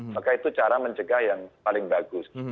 maka itu cara mencegah yang paling bagus